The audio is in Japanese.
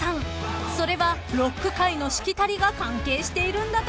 ［それはロック界のしきたりが関係しているんだとか］